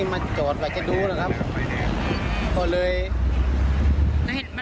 ข้างทางแล้วก็